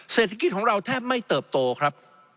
เศรษฐกิจของเราแทบไม่เติบโตครับ